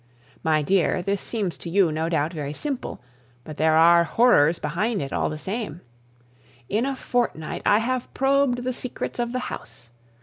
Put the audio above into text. My dear, this seems to you, no doubt, very simple, but there are horrors behind it, all the same: in a fortnight I have probed the secrets of the house.